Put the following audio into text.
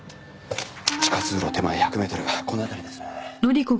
地下通路手前１００メートルがこの辺りですね。